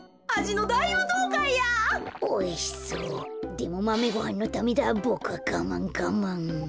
でもマメごはんのためだボクはがまんがまん。